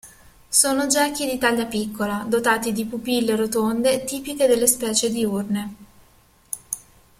Sono gechi di taglia piccola, dotati di pupille rotonde, tipiche delle specie diurne.